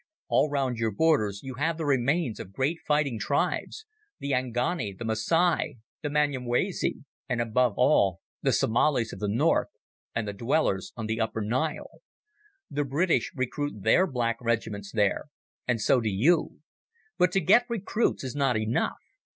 All round your borders you have the remains of great fighting tribes, the Angoni, the Masai, the Manyumwezi, and above all the Somalis of the north, and the dwellers on the upper Nile. The British recruit their black regiments there, and so do you. But to get recruits is not enough.